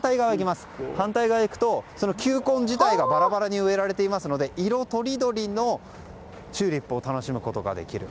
反対側にいくと球根自体がバラバラに植えられていますので色とりどりのチューリップを楽しむことができる。